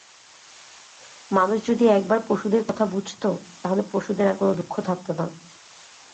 মানুষ যদি একবার পশুদের কথা বুঝত তাহলে পশুদের আর কোনো দুঃখ থাকত না।